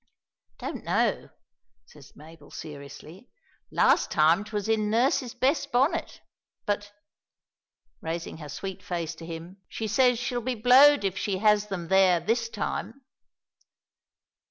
"Don't know," says Mabel seriously. "Last time 'twas in nurse's best bonnet; but," raising her sweet face to his, "she says she'll be blowed if she has them there this time!"